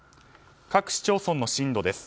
各市町村の震度です。